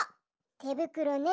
てぶくろねえ。